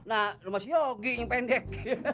nah rumah si yogi yang pendek